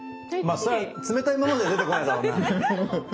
まあそりゃ冷たいまま出てこないだろうな。